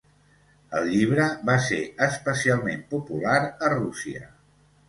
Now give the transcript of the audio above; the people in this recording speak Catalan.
El llibre va ser especialment popular a Rússia.